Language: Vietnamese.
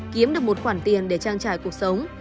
kiếm được một khoản tiền để trang trải cuộc sống